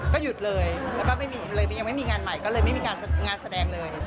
ก็หยุดเลยแล้วก็เลยยังไม่มีงานใหม่ก็เลยไม่มีการงานแสดงเลย